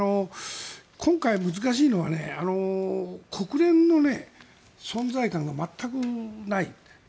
今回、難しいのは国連の存在感が全くない。